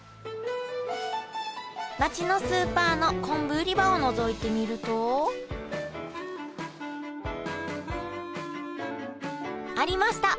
町のスーパーの昆布売り場をのぞいてみるとありました！